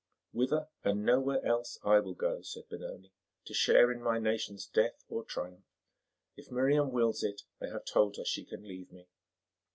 "Whither and nowhere else I will go," said Benoni, "to share in my nation's death or triumph. If Miriam wills it, I have told her she can leave me."